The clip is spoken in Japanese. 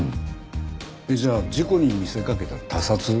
じゃあ事故に見せかけた他殺？